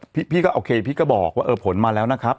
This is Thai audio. พี่ก็โอเคพี่ก็บอกว่าเออผลมาแล้วนะครับ